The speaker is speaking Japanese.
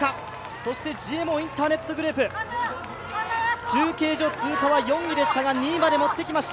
そしてＧＭＯインターネットグループ、中継所通過は４位でしたが２位まで持ってきました。